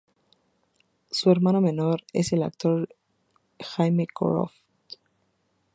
Su hermano menor es el actor Jamie Croft.